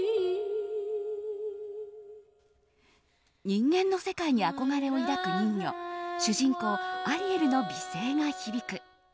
人間の世界に憧れを抱く人魚主人公アリエルの美声が響く。